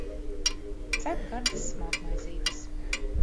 Cep gardas smalkmaizītes